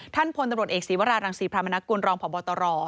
ท่านพลตำรวจเอกศีวรารังศีพรรณกุณรองค์พบตร